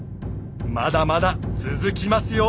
まだまだ続きますよ！